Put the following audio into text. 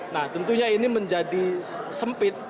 nah tentunya ini menjadi sempit